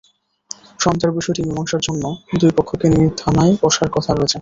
সন্ধ্যায় বিষয়টি মীমাংসার জন্য দুই পক্ষকে নিয়ে থানায় বসার কথা রয়েছে।